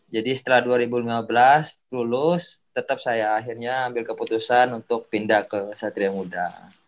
jadi setelah dua ribu lima belas lulus tetep saya akhirnya ambil keputusan untuk pindah ke satria muda